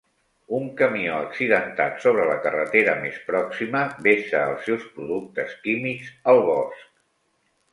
Un camió accidentat sobre la carretera més pròxima vessa els seus productes químics al bosc.